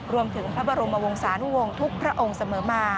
รวมถึงพระบรมวงศานุวงศ์ทุกพระองค์เสมอมา